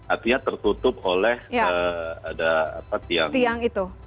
artinya tertutup oleh ada apa tiang